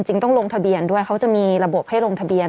ต้องลงทะเบียนด้วยเขาจะมีระบบให้ลงทะเบียน